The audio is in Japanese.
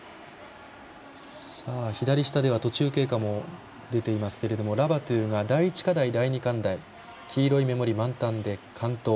左下では途中経過も出ていますがラバトゥが第１課題、第２課題黄色いメモリ満タンで完登。